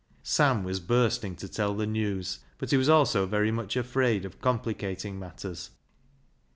Sam was bursting to tell the news, but he was also very much afraid of complicating matters.